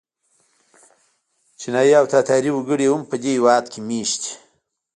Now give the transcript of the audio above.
چینایي او تاتاري وګړي هم په دې هېواد کې مېشت دي.